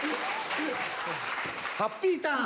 ハッピーターン。